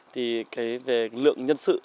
thì cái về lượng nhân sự